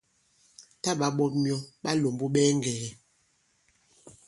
Tǎ ɓa ɓɔt myɔ ɓa lɔ̀mbu ɓɛɛ ŋgɛ̀gɛ̀.